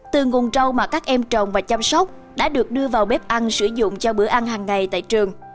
từ nguồn rau mà các em trồng và chăm sóc đã được đưa vào bếp ăn sử dụng cho bữa ăn hàng ngày tại trường